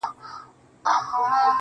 اوس چي مخ هرې خوا ته اړوم الله وينم~